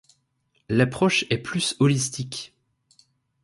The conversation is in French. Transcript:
L'approche est plus holistique.